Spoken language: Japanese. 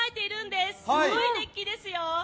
すごい熱気ですよ。